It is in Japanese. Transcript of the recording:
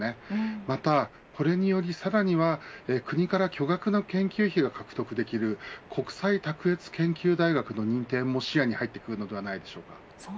また、これにより、さらには国から巨額な研究費が獲得できる国際卓越研究大学の認定も視野に入ってくるのではないでしょうか。